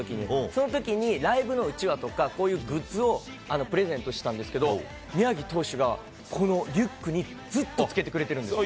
そのときにライブのうちわとか、こういうグッズをプレゼントしたんですけど、宮城投手がこのリュックにずっとつけてくれてるんです。